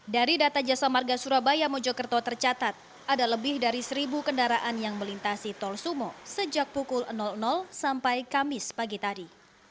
dari data jasa marga surabaya mojokerto tercatat ada lebih dari seribu kendaraan yang melintasi tol sumo sejak pukul sampai kamis pagi tadi